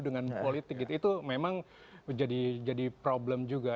dengan politik itu memang jadi problem juga